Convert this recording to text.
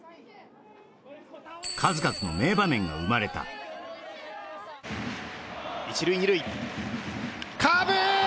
数々の名場面が生まれた１塁２塁カーブ！